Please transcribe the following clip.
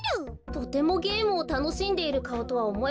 とてもゲームをたのしんでいるかおとはおもえませんね。